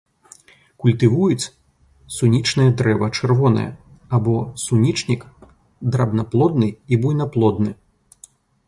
Культывуюць сунічнае дрэва чырвонае, або сунічнік драбнаплодны, і буйнаплодны.